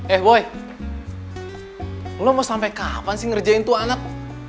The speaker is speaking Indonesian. eh woy lo mau sampai kapan sih ngerjain tuh anak